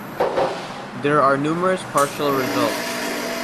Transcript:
There are numerous partial results.